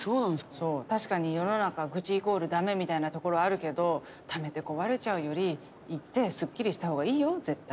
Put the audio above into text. そう確かに世の中愚痴イコールダメみたいなところあるけどためて壊れちゃうより言ってスッキリしたほうがいいよ絶対。